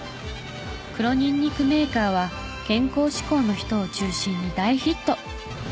黒にんにくメーカーは健康志向の人を中心に大ヒット。